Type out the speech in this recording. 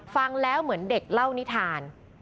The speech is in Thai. ฟังแล้วเหมือนเด็กเล่านิทาน